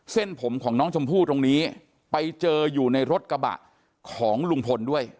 เส้นผมของน้องชมพู่ตรงนี้ไปเจออยู่ในรถกระบะของลุงพลด้วย